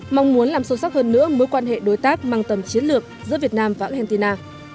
mong muốn làm sâu sắc hơn nữa mối quan hệ đối tác mang tầm chiến lược giữa việt nam và argentina